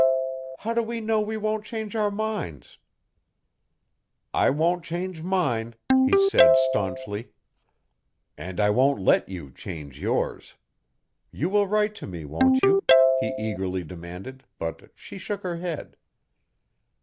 "How do we know we won't change our minds?" "I won't change mine," he said staunchly. "And I won't let you change yours. You will write to me, won't you?" he eagerly demanded, but she shook her head.